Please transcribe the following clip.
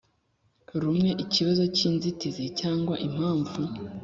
Rumwe ikibazo cy inzitizi cyangwa impamvu